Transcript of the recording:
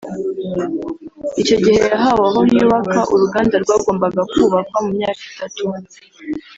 Icyo gihe yahawe aho yubaka uruganda rwagombaga kubakwa mu myaka itatu